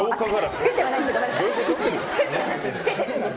作ってはないです、ごめんなさい。